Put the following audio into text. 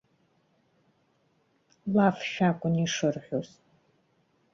Лафшәа акәын ишырҳәоз.